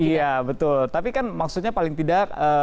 iya betul tapi kan maksudnya paling tidak